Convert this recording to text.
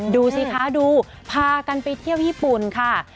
ดูสิคะดูพากันไปเที่ยวญี่ปุ่นค่ะ